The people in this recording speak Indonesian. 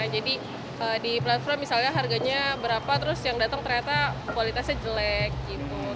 jadi di platform misalnya harganya berapa terus yang datang ternyata kualitasnya jelek gitu